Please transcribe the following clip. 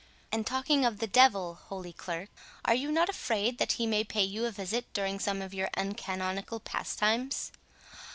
And, talking of the devil, Holy Clerk, are you not afraid that he may pay you a visit during some of your uncanonical pastimes?"